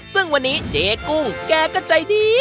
ซึ่งวันนี้เจ๊กุ้งแกก็ใจดี